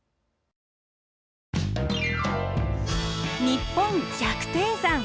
「にっぽん百低山」。